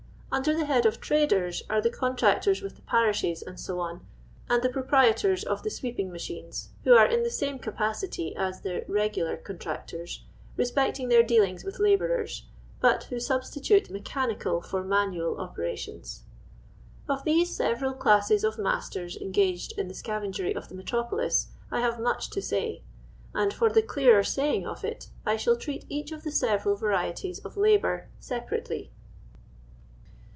Under the head of "Traders" are the con tractors with the parishes, &c., and the proprietors of the sweeping machines, who are in the same capacity as the "regular contract* rs" respecting their dealings with labourers, but who substitute mechanical for manual operations. Of these several classes of masters engaged in the scavengery ot' the metropolis I have much to i say, and, for the clearer Sitying of it, I shall treat I each of the several varieties of labour separately.